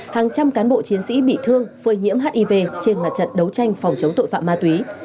hàng trăm cán bộ chiến sĩ bị thương phơi nhiễm hiv trên mặt trận đấu tranh phòng chống tội phạm ma túy